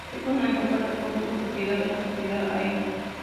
Es un aeropuerto público propiedad de la sociedad Aena.